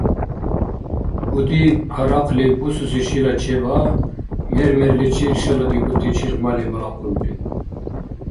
Удиб, гьарахълиб, бусуси шила чебаъ мер-мерличир шаладикӀути чиргъмали балахъулри.